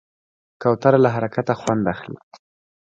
کوتره له حرکته خوند اخلي.